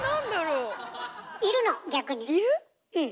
うん。